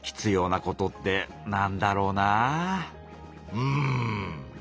うん。